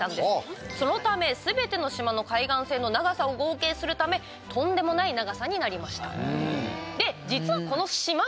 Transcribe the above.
そのためすべての島の海岸線の長さを合計するためとんでもない長さになりました。